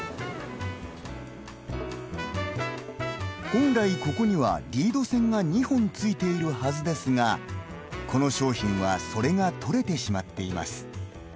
本来、ここにはリード線が２本ついているはずですがこの商品はそれが取れてしまっています。